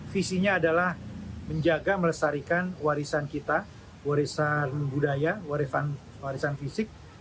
visinya adalah menjaga melestarikan warisan kita warisan budaya warisan fisik